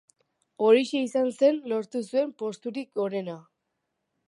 Horixe izan zen lortu zuen posturik gorena.